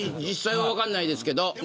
実際は分からないですけど。